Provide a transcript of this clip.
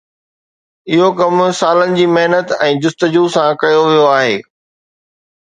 اهو ڪم سالن جي محنت ۽ جستجو سان ڪيو ويو آهي.